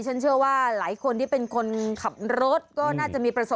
ฉันเชื่อว่าหลายคนที่เป็นคนขับรถก็น่าจะมีประสบ